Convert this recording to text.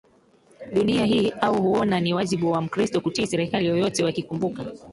dunia hii au huona ni wajibu wa Mkristo kutii serikali yoyote wakikumbuka